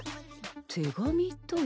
手紙とは。